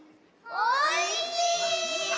おいしい！